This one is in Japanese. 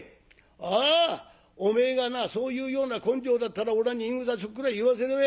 ああお前がなそういうような根性だったらおらに言いぐさちょっくら言わせろえ。